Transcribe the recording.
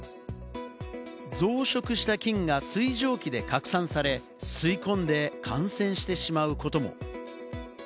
増殖した菌が水蒸気で拡散され、吸い込んで感染してしまうことも。